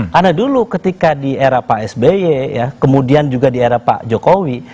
karena dulu ketika di era pak sby ya kemudian juga di era pak jokowi